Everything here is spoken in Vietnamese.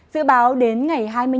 dự báo đến ngày hai mươi năm